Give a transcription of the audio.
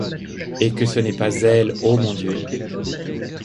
Et que ce n’est pas elle, ô mon Dieu?